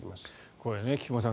これ、菊間さん